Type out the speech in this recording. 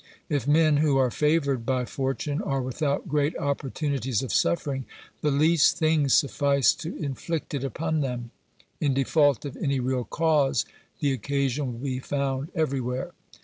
If men who are favoured by fortune are without great opportunities of suffering, the least things suffice to inflict it upon them ; in default of any real cause, the occasion will be found everywhere.